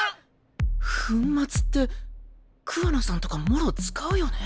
⁉粉末って桑名さんとかもろ使うよね？